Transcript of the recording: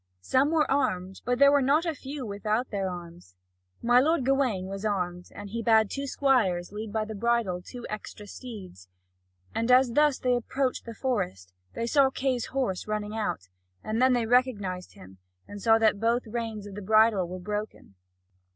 Some were armed, but there were not a few without their arms. My lord Gawain was armed, and he bade two squires lead by the bridle two extra steeds. And as they thus approached the forest, they saw Kay's horse running out; and they recognised him, and saw that both reins of the bridle were broken.